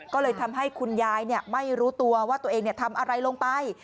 ก็เลยทำให้คุณยายไม่รู้ตัวว่าตัวเองทำอะไรลงไป